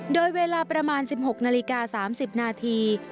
โดยเวลาประมาณ๑๖นาฬิกา๓๐นาที